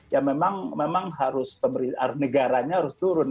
ya memang harus negaranya harus turun